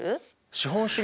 資本主義